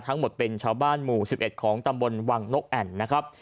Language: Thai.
ทั้งหมดเป็นชาวบ้านหมู่๑๑ของตำบลวังนกแอ่นนะครับ